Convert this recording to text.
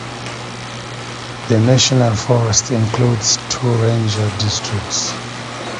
The national forest includes two ranger districts.